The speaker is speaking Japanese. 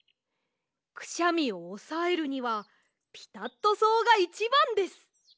くしゃみをおさえるにはピタットそうがいちばんです。